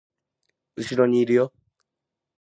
後ろにいるよ